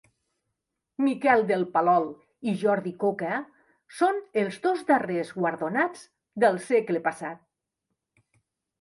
Miquel de Palol i Jordi Coca són els dos darrers guardonats del segle passat.